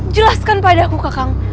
jelaskan padaku kakak